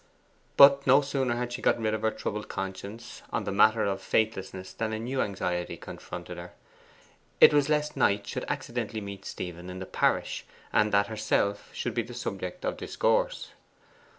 But no sooner had she got rid of her troubled conscience on the matter of faithlessness than a new anxiety confronted her. It was lest Knight should accidentally meet Stephen in the parish, and that herself should be the subject of discourse.